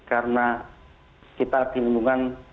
karena kita di lindungan